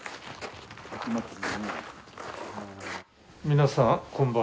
皆さんこんばんは。